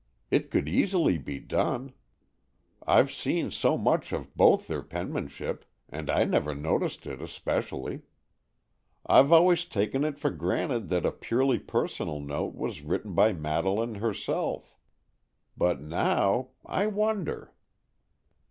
It could easily be done. I've seen so much of both their penmanship, and I never noticed it especially. I've always taken it for granted that a purely personal note was written by Madeleine herself. But now—I wonder."